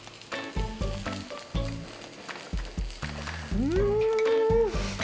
うん！